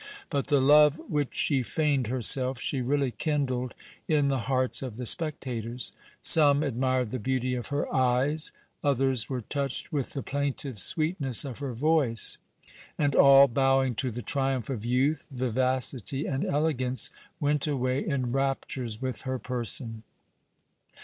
But the love which she feigned herself, she really kindled in the hearts of the spectators. Some ad mired the beauty of her eyes, others were touched with the plaintive sweetness of her voice, and all, bowing to the triumph of youth, vivacity, and elegance, went away in raptures with her person.